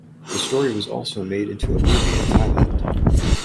This story was also made into a movie in Thailand.